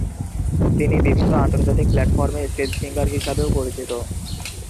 তিনি বিভিন্ন আন্তর্জাতিক প্ল্যাটফর্মে স্টেজ সিঙ্গার হিসাবেও পরিচিত।